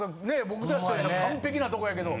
僕たちからしたら完璧なとこやけど。